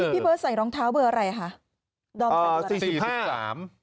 พี่เบิ้ลใส่รองเท้าเบอร์อะไรคะ